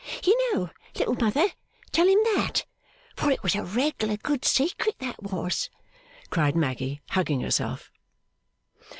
You know, Little Mother; tell him that. For it was a reg'lar good secret, that was!' cried Maggy, hugging herself.